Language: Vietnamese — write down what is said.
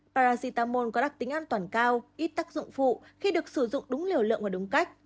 paracetamol có đặc tính an toàn cao ít tác dụng phụ khi được sử dụng đúng liều lượng và đúng cách